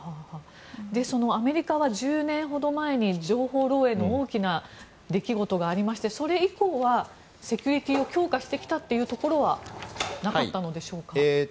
アメリカは１０年ほど前に情報漏洩の大きな出来事がありましてそれ以降はセキュリティーを強化してきたというところはなかったのでしょうか。